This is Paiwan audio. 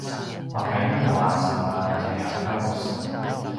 makainu a sema tjaljakavus?